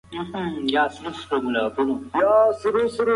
تاسي باید یو ځل د دلارام شېلې وګورئ.